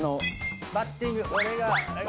バッティング俺が。